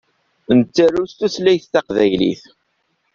Nettaru s tutlayt taqbaylit.